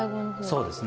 そうですね。